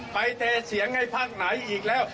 เทเสียงให้พักไหนอีกแล้ว